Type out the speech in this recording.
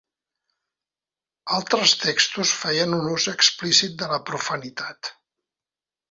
Altres textos feien un ús explícit de la profanitat.